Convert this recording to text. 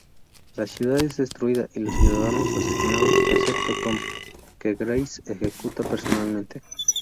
La ciudad es destruida y los ciudadanos asesinados, excepto Tom, que Grace ejecuta personalmente.